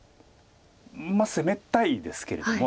まあ攻めたいですけれども。